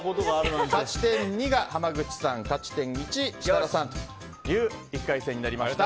勝ち点２が濱口さん勝ち点１、設楽さんという１回戦になりました。